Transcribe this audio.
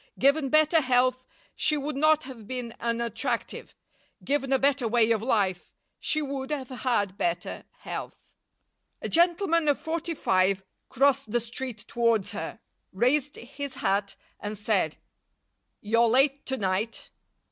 Given better health, she would not have been unattractive; given a better way of life, she would have had better health. A gentleman of forty five crossed the street towards her, raised his hat, and said, "You're late to night."